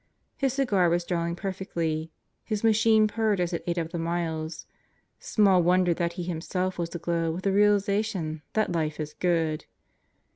His cigar was drawing perfectly; his machine purred as it ate up the miles; small wonder that he himself was aglow with the realization that life is good.